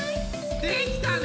できたね！